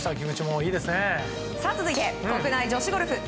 続いて、国内女子ゴルフ。